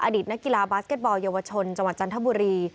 อดีตนักกีฬาบาสเก็ตบอลเยาวชนจังหวัดจันทบุรี